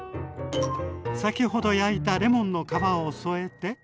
先ほど焼いたレモンの皮を添えて。